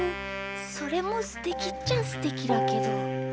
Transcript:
それもすてきっちゃすてきだけど。